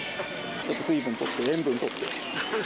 ちょっと水分とって、塩分とって。